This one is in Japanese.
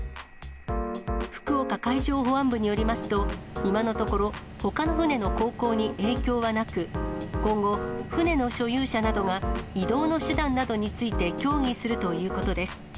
福岡海上保安部によりますと、今のところ、ほかの船の航行に影響はなく、今後、船の所有者などが移動の手段などについて協議するということです。